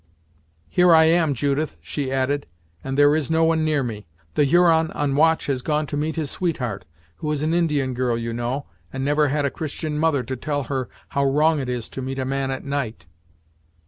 "Here I am, Judith," she added, "and there is no one near me. The Huron on watch has gone to meet his sweetheart, who is an Indian girl you know, and never had a Christian mother to tell her how wrong it is to meet a man at night."